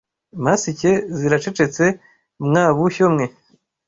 Masike ziracecetse mwa bushyo mwe